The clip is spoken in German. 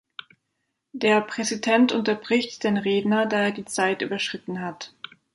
Der Präsident unterbricht den Redner, da er die Zeit überschritten hat.